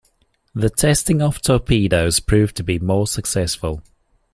The testing of torpedoes proved to be more successful.